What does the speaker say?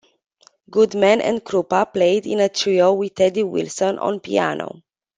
Goodman and Krupa played in a trio with Teddy Wilson on piano.